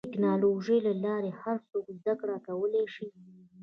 د ټکنالوجۍ له لارې هر څوک زدهکړه کولی شي.